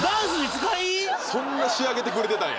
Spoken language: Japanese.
そんな仕上げてくれてたんや。